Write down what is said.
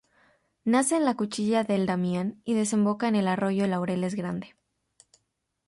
Nace en la Cuchilla del Daymán y desemboca en el arroyo Laureles Grande.